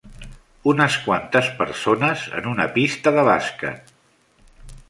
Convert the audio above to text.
Unes quantes persones en una pista de bàsquet.